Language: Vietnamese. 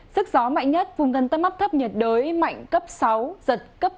sức gió mạnh nhất vùng gần tâm áp thấp nhiệt đới mạnh cấp sáu giật cấp tám